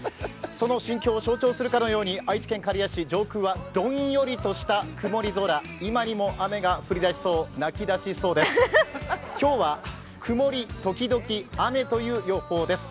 その心境を象徴するかのように愛知県刈谷市、上空はどんよりとした曇り空、今にも雨が降り出しそう泣き出しそうです。